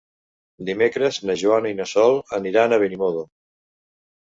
Dimecres na Joana i na Sol aniran a Benimodo.